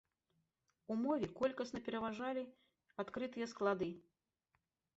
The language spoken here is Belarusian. У мове колькасна пераважалі адкрытыя склады.